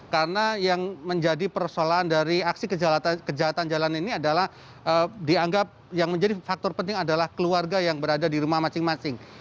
karena yang menjadi persoalan dari aksi kejahatan jalan ini adalah dianggap yang menjadi faktor penting adalah keluarga yang berada di rumah masing masing